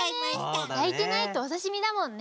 やいてないとおさしみだもんね。